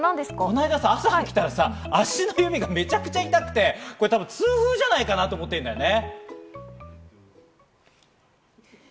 この間、朝起きたらさ、足の指がめちゃくちゃ痛くて、痛風じゃないかなと思ってんだよね。